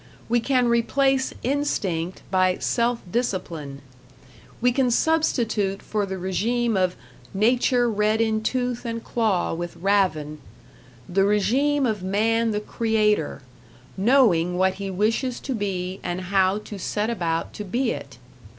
We can replace instinct by self discipline. We can substitute for the regime of "Nature red in tooth and claw with ravin" the regime of man the creator, knowing what he wishes to be and how to set about to be it.